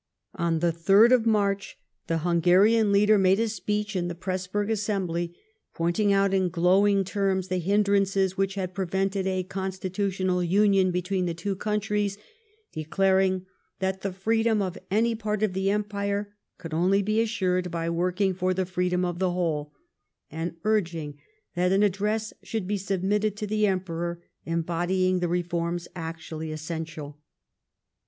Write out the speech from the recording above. On the 3rd of March the Hungarian leader made a speech in the Pressburg assembly, pointing out in glowing terms the hindrances which had prevented a constitutional union between the two countries ; de claring that the freedom of any part of the Empire could only be assured by working for the freedom of the whole, and urging that an address should be submitted to the Emperor embodying the reforms actually essential.